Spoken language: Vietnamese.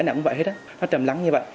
nó cũng vậy hết nó trầm lắng như vậy